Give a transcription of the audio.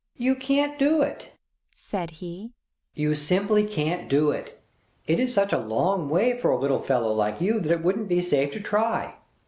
"You can't do it," said he. "You simply can't do it. It is such a long way for a little fellow like you that it wouldn't be safe to try.